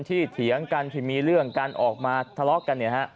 เถียงกันที่มีเรื่องกันออกมาทะเลาะกันเนี่ยฮะ